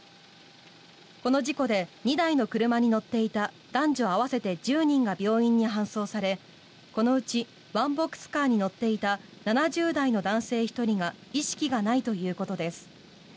この事故で２台の車に乗っていた男女合わせて１０人が病院に搬送され、このうちワンボックスカーに乗っていた７０代の男性１人が意識がないということです。